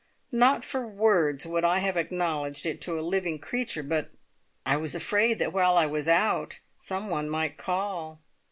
Not for worlds would I have acknowledged it to a living creature, but I was afraid that while I was out some one might call.